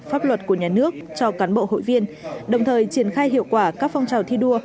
pháp luật của nhà nước cho cán bộ hội viên đồng thời triển khai hiệu quả các phong trào thi đua